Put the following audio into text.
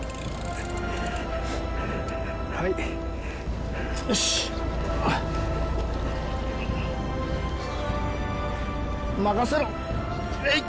はいよし任せろえいっ！